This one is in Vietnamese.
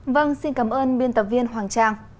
vâng xin cảm ơn biên tập viên hoàng trang